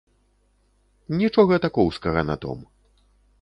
Нічога такоўскага на том.